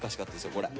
これ。